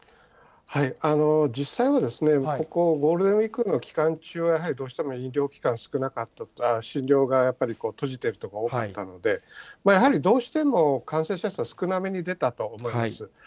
実際はここ、ゴールデンウィークの期間中は、やはりどうしても医療機関、少なかった、診療がやっぱり閉じてるところが多かったので、やはりどうしても、感染者数は少なめに出たと思います。